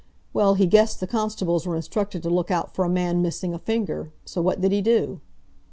Well, he guessed the constables were instructed to look out for a man missing a finger; so what did he do?"